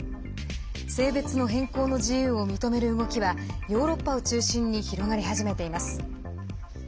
性別の変更の自由を認める動きはヨーロッパを中心に広がり始めています。